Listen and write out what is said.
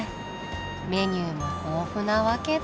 メニューも豊富なわけだ。